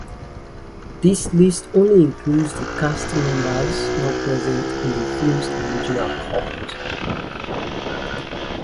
This list only includes the cast members not present in the film's original cut.